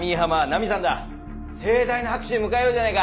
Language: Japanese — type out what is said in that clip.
盛大な拍手で迎えようじゃないか。